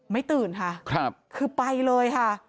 ตื่นค่ะคือไปเลยค่ะ